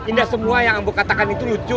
indah semua yang aku katakan itu lucu